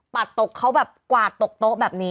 ตกเขาแบบกวาดตกโต๊ะแบบนี้